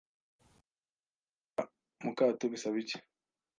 Kwishyira mu kato bisaba iki